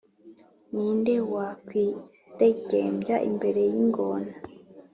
Ni nde wakwidegembya imbere y’ingona